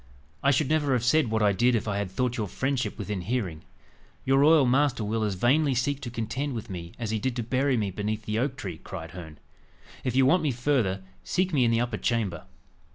I should never have said what I did if I had thought your friendship within hearing." "Your royal master will as vainly seek to contend with me as he did to bury me beneath the oak tree," cried Herne. "If you want me further, seek me in the upper chamber."